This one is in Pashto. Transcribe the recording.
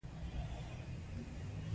هلته د فکر په بیان باندې بندیزونه نه لګیږي.